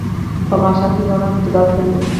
په ماښام کې ځوانان فوټبال کوي.